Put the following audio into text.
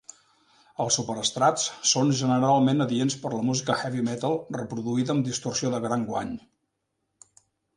Els superestrats són generalment adients per la música heavy metal reproduïda amb distorsió de gran guany.